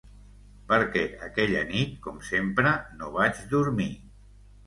Perquè aquella nit, com sempre, no vaig dormir.